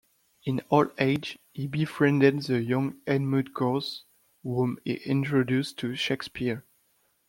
In old age he befriended the young Edmund Gosse, whom he introduced to Shakespeare.